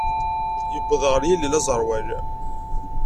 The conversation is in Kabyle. Yewweḍ ɣer yilel aẓerwal.